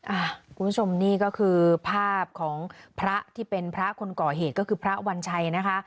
คุณผู้ชมนี่ก็คือภาพของพระที่เป็นพระคนก่อเหตุก็คือพระวัญชัยนะคะ